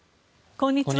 こんにちは。